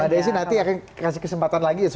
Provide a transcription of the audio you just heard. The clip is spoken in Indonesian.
mbak desi nanti akan kasih kesempatan lagi